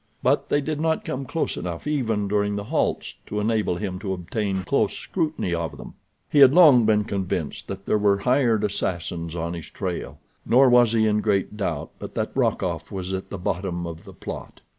But they did not come close enough even during the halts to enable him to obtain a close scrutiny of them. He had long been convinced that there were hired assassins on his trail, nor was he in great doubt but that Rokoff was at the bottom of the plot.